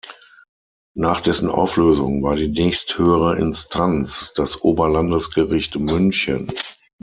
Nach dessen Auflösung war die nächsthöhere Instanz das Oberlandesgericht München.